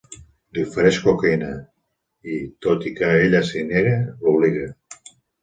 Li ofereix cocaïna i, tot i que ella s'hi nega, l'obliga.